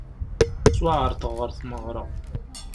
Ttwaɛerḍeɣ ɣer tmeɣra.